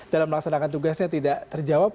dalam melaksanakan tugasnya tidak terjawab